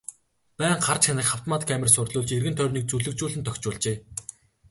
Байнга харж хянах автомат камер суурилуулж эргэн тойрныг зүлэгжүүлэн тохижуулжээ.